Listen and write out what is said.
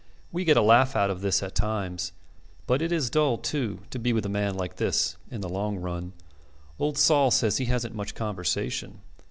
We get a laugh out of this at times; but it is dull, too, to be with a man like this in the long run. Old Sol says he hasn't much conversation.